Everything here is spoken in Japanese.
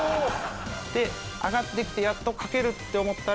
で上がってきてやっと描けるって思ったら。